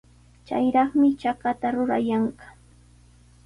Chayraqmi chakata rurayanqa.